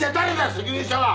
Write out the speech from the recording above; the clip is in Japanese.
責任者は！